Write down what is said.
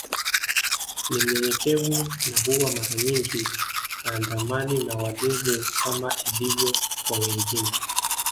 Ni mnyenyekevu na huwa mara nyingi haandamani na walinzi kama ilivyo kwa wengine